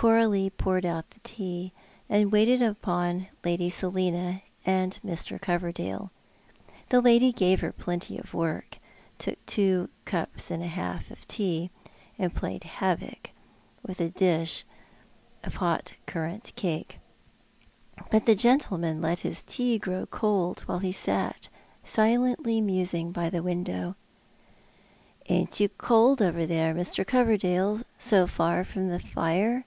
CoraUe poured out the tea, and waited upon Lady Selina and Mr. Coverdale. The lady gave her plenty of work, took two cups and a half of tea, and played liavoc with a dish of hot 236 TJioit arl the Man. currant cake ; but the gentleman let his tea grow cold while he sat silently musing by the window. " Ain't you cold over there, Mr. Coverdale, so far from the fire